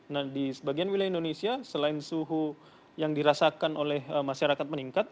nah di sebagian wilayah indonesia selain suhu yang dirasakan oleh masyarakat meningkat